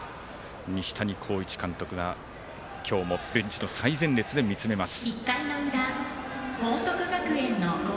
西谷浩一監督が、今日もベンチの最前列で見つめます。